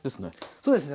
そうですね。